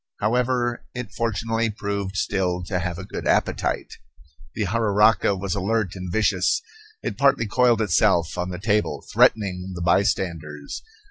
However, it fortunately proved still to have a good appetite. The jararaca was alert and vicious. It partly coiled itself on the table, threatening the bystanders.